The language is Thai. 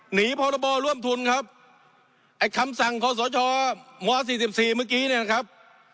พรบร่วมทุนครับไอ้คำสั่งขอสม๔๔เมื่อกี้เนี่ยนะครับ